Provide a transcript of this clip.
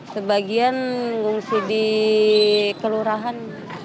sebagian mengungsi di kelurahan